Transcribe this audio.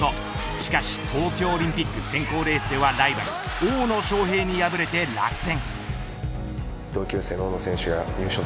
しかし、東京オリンピック選考レースでは、ライバル大野将平に敗れて落選。